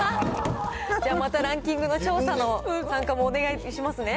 またランキングの調査の参加もお願いしますね。